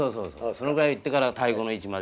そのぐらいいってから太鼓の位置まで戻すと。